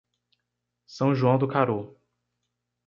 São João do Caru